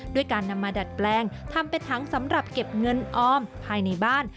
ด้วยการนำมาดัดแปลงทำเป็นถังสำหรับเก็บเงินออมภายในบ้าน